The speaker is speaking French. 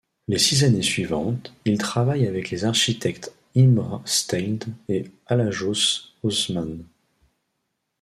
Les six années suivantes, il travaille avec les architectes Imre Steindl et Alajos Hauszmann.